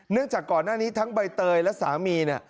เนื่องจากก่อนหน้านี้ทั้งใบเตยและสามี